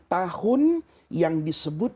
tahun yang disebut